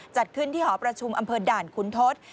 จัดขึ้นที่หอประชุมอำเภอด่านคุณทศ